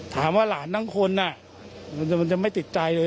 ถามว่าหลานทั้งคนอ่ะมันจะมันจะไม่ติดใจเลยอ่ะ